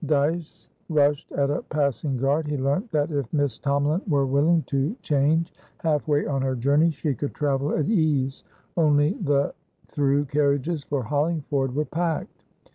Dyce rushed at a passing guard. He learnt that, if Miss Tomalin were willing to change half way on her journey, she could travel at ease; only the through carriages for Hollingford were packed.